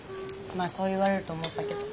まあそう言われると思ったけど。